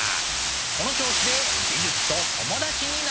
この調子で美術と友達になろう！